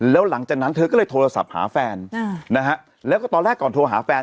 แล้วหลังจากนั้นเธอก็เลยโทรศัพท์หาแฟนนะฮะแล้วก็ตอนแรกก่อนโทรหาแฟน